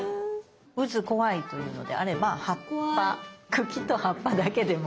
うず怖いというのであれば茎と葉っぱだけでも。